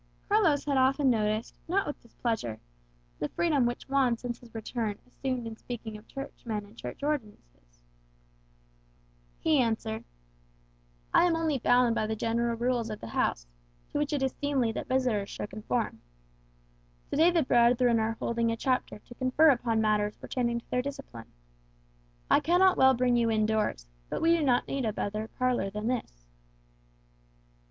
Carlos had often noticed, not with displeasure, the freedom which Juan since his return assumed in speaking of Churchmen and Church ordinances. He answered, "I am only bound by the general rules of the house, to which it is seemly that visitors should conform. To day the brethren are holding a Chapter to confer upon matters pertaining to their discipline. I cannot well bring you in doors; but we do not need a better parlour than this."